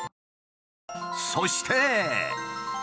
そして。